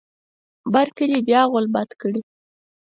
بر کلي بیا غول باد کړی.